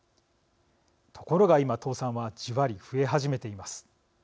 ところが、今、倒産はじわり増え始めています。